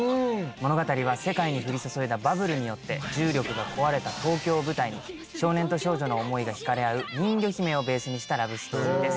物語は世界に降り注いだ泡によって重力が壊れた東京を舞台に少年と少女の想いが引かれ合う『人魚姫』をベースにしたラブストーリーです。